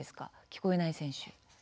聞こえない選手。